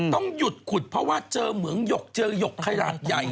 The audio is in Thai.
ต้องหยุดขุดเพราะว่าเจอเหมืองหยกเจอหยกขนาดใหญ่